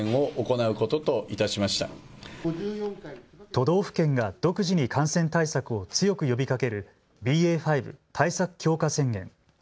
都道府県が独自に感染対策を強く呼びかけるＢＡ．５対策強化宣言。